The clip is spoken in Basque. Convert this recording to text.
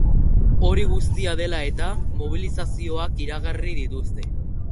Hori guztia dela eta, mobilizazioak iragarri dituzte.